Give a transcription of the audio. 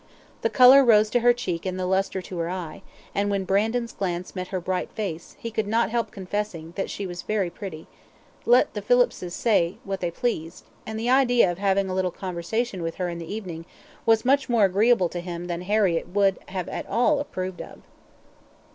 The colour rose to her cheek and the lustre to her eye, and when Brandon's glance met her bright face, he could not help confessing that she was very pretty, let the Phillipses say what they pleased, and the idea of having a little conversation with her in the evening was much more agreeable to him than Harriett would have at all approved of.